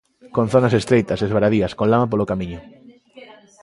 Con zonas estreitas, esvaradías, con lama polo camiño.